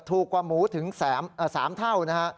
ถูกกว่าหมูถึง๓เท่านะฮะ